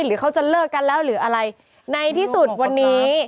หรือเขาจะเลิกกันแล้วหรืออะไรในที่สุดวันนี้